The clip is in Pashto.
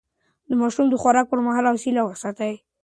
د ماشوم د خوراک پر مهال حوصله وساتئ.